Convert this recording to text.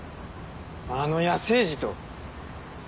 あの野生児と。